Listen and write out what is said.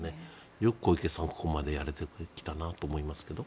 よく小池さん、ここまでやれたなと思いますけど。